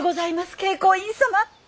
慶光院様。